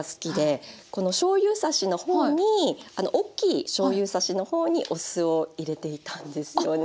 このしょうゆ差しの方に大きいしょうゆ差しの方にお酢を入れていたんですよね。